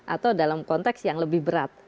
atau dalam konteks yang lebih berat